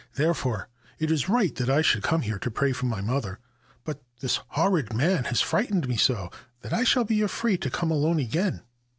Therefore it is right that I should come here to pray for my mother ; but this horrid man has frightened me so that I shall be afraid to come alone again.'